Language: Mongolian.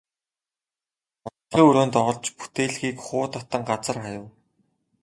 Унтлагын өрөөндөө орж бүтээлгийг хуу татан газар хаяв.